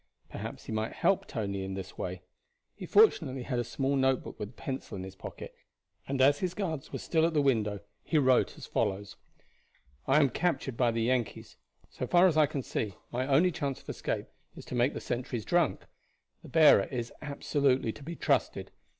Perhaps he might help Tony in this way. He fortunately had a small notebook with a pencil in his pocket, and as his guards were still at the window he wrote as follows: "I am captured by the Yankees. So far as I can see, my only chance of escape is to make the sentries drunk. The bearer is absolutely to be trusted.